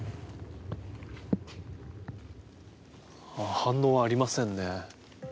反応はありませんね。